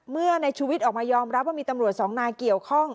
เมื่อในชุวิตออกมายอมรับว่ามีตำรวจสองนายเกี่ยวข้อง